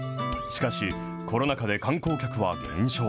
しかし、コロナ禍で観光客は減少。